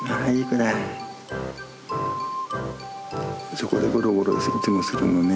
そこでゴロゴロいつもするのね。